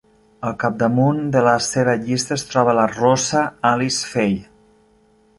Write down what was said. Al capdamunt de la seva llista es troba la rossa Alice Faye.